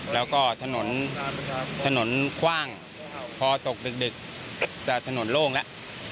แล้วก็ถนนถนนคว่างพอตกดึกจะถนนโล่งแล้ว